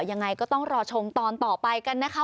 ยังไงก็ต้องรอชมตอนต่อไปกันนะคะ